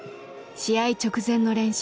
試合直前の練習。